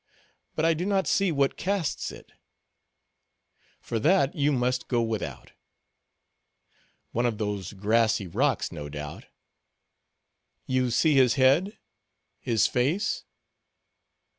But I do not see what casts it." "For that, you must go without." "One of those grassy rocks, no doubt." "You see his head, his face?"